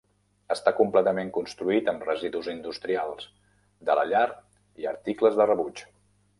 Està completament construït amb residus industrials, de la llar i articles de rebuig.